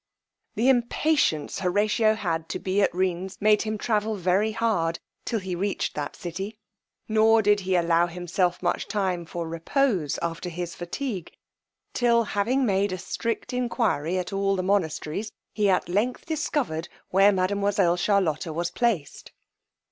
The impatience Horatio had to be at Rheines made him travel very hard till he reached that city; nor did he allow himself much time for repose after his fatigue, till having made a strict enquiry at all the monasteries, he at length discovered where mademoiselle Charlotta was placed.